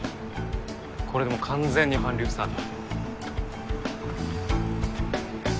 これでもう完全に韓流スターだ。